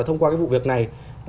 thông qua cái vụ việc này